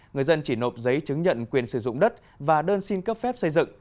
người dân chỉ nộp giấy chứng nhận quyền sử dụng đất và đơn xin cấp phép xây dựng